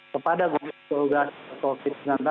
kepada gugur gugur covid sembilan belas